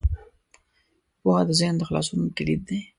پوهه د ذهن د خلاصون کلید دی.